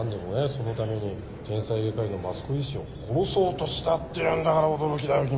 そのために天才外科医の益子医師を殺そうとしたっていうんだから驚きだよ君。